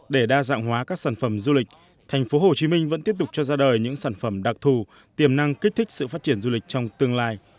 để đa dạng hóa các sản phẩm du lịch tp hcm vẫn tiếp tục cho ra đời những sản phẩm đặc thù tiềm năng kích thích sự phát triển du lịch trong tương lai